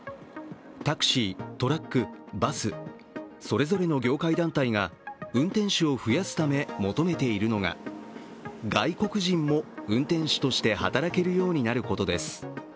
タクシー、トラック、バス、それぞれの業界団体が運転手を増やすため求めているのが外国人も運転手として働けるようなることです